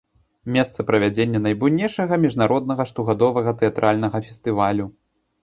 Месца правядзення найбуйнейшага міжнароднага штогадовага тэатральнага фестывалю.